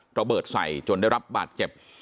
ระเบิดใส่จนได้รับบาดเจ็บ